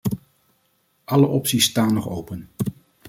Alle opties staan nog open.